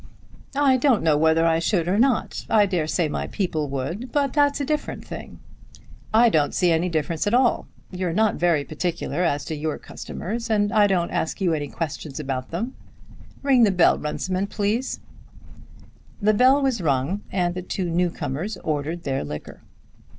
"I don't know whether I should or not. I dare say my people would. But that's a different thing." "I don't see any difference at all. You're not very particular as to your customers, and I don't ask you any questions about them. Ring the bell, Runciman, please." The bell was rung, and the two new comers ordered their liquor.